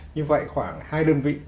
như vậy khoảng hai đơn vị